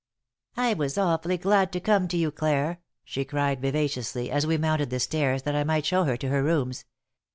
"I was awfully glad to come to you, Clare," she cried, vivaciously, as we mounted the stairs that I might show her to her rooms.